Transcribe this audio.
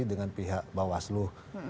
dengan pihak bawaslu